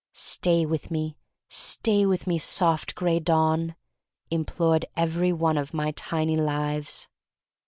"Stay with me, stay with me, soft Gray Dawn," implored every one of my tiny lives.